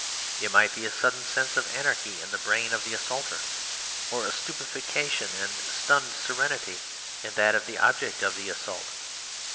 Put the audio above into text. It might be a sudden sense of anarchy in the brain of the assaulter, or a stupefaction and stunned serenity in that of the object of the assault.